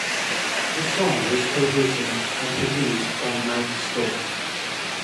The song was co-written and produced by Mike Stock.